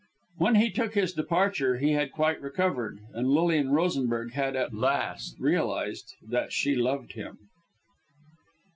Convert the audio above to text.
When he took his departure, he had quite recovered, and Lilian Rosenberg had, at last, realized that she loved him.